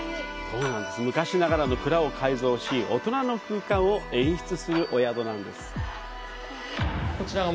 昔ながらの蔵を改装し、大人の空間を演出するお宿です。